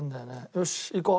よしいこう。